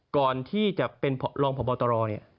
ก่อนที่จะเป็นรองผ่อบอตรอ